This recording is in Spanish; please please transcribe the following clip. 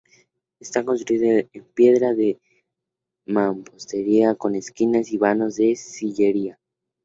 Está construida en piedra de mampostería con esquinas y vanos de sillería.